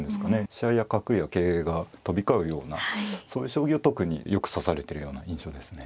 飛車や角や桂が飛び交うようなそういう将棋を特によく指されてるような印象ですね。